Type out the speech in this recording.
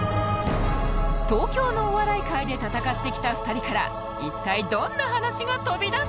東京のお笑い界で戦ってきた２人から一体どんな話が飛び出すのか！？